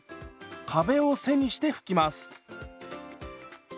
壁を背にして拭きます。